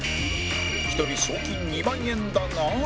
１人賞金２万円だが